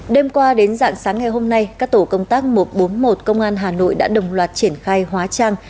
đêm qua đến dạng sáng ngày hôm nay các tổ công tác một trăm bốn mươi một công an hà nội đã đồng loạt triển khai hóa trang